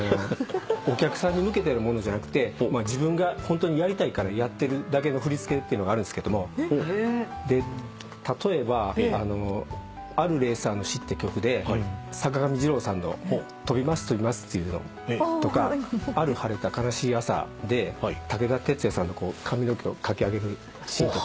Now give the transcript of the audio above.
お客さんに向けてのものじゃなくて自分がホントにやりたいからやってるだけの振り付けっていうのがあるんすけども例えば『あるレーサーの死』って曲で坂上二郎さんの飛びます飛びますっていうのとか『ある晴れた悲しい朝』で武田鉄矢さんのこう髪の毛をかき上げるシーンとか。